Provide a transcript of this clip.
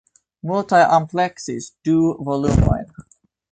Multaj ampleksis du volumojn.